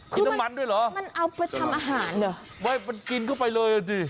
น้ำมันด้วยเหรอมันเอาไปทำอาหารเหรอไม่มันกินเข้าไปเลยอ่ะสิ